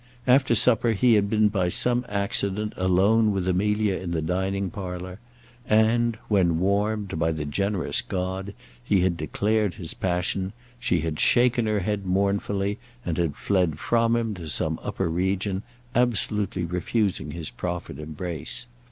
After supper, he had been by some accident alone with Amelia in the dining parlour; and when, warmed by the generous god, he had declared his passion, she had shaken her head mournfully, and had fled from him to some upper region, absolutely refusing his proffered embrace.